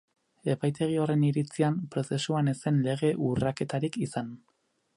Epaitegi horren iritzian, prozesuan ez zen lege-urraketarik izan.